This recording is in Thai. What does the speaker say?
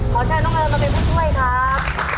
ขอแชร์น้องน้องมามาเป็นผู้ช่วยครับ